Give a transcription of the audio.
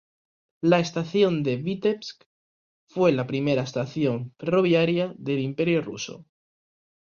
La estación de Vítebsk fue la primera estación ferroviaria del Imperio Ruso.